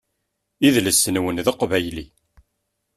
Idles-nwen d aqbayli.